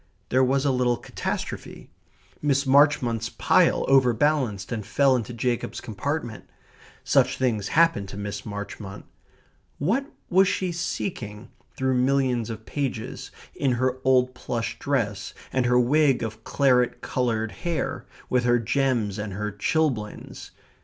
There was a little catastrophe. Miss Marchmont's pile overbalanced and fell into Jacob's compartment. Such things happened to Miss Marchmont. What was she seeking through millions of pages, in her old plush dress, and her wig of claret coloured hair, with her gems and her chilblains?